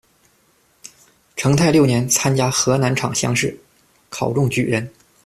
成泰六年，参加河南场乡试，考中举人。